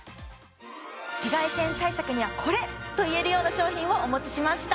紫外線対策にはこれ！といえるような商品をお持ちしました